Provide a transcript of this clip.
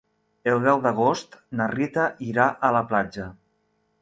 El deu d'agost na Rita irà a la platja.